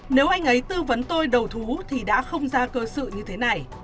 nếu anh ấy tư vấn tôi đầu thú thì đã không ra cơ sự như thế này